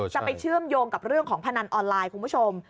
ไปเชื่อมโยงกับเรื่องของพนันออนไลน์คุณผู้ชม